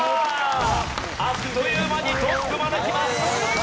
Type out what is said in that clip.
あっという間にトップまできます。